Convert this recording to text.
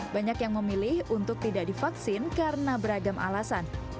banyak yang memilih untuk tidak divaksin karena beragam alasan